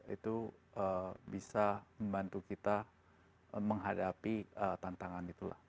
itu bisa membantu kita menghadapi tantangan itulah